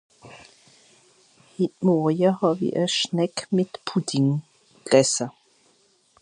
hit mòrje hàwie a Schneck mìt Pudding gesse